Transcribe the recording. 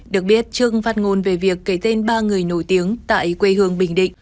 được biết trương phát ngôn về việc kể tên ba người nổi tiếng tại quê hương bình định